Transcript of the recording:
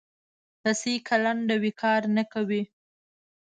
رسۍ که لنډه وي، کار نه کوي.